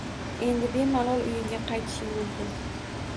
— Endi bemalol uyingga qaytishing mumkin...